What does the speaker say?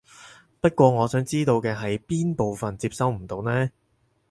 不過我想知道嘅係邊部分接收唔到呢？